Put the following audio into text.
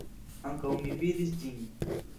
Ankaŭ mi vidis ĝin.